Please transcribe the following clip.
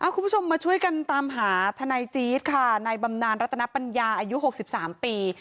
คุณผู้ชมมาช่วยกันตามหาทนายจี๊ดค่ะนายบำนานรัตนปัญญาอายุ๖๓ปี